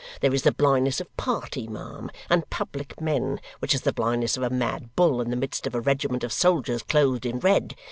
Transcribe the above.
There is the blindness of party, ma'am, and public men, which is the blindness of a mad bull in the midst of a regiment of soldiers clothed in red.